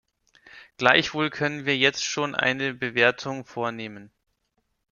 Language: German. Gleichwohl können wir jetzt schon eine Bewertung vornehmen.